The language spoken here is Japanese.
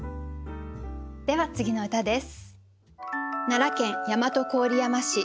では次の歌です。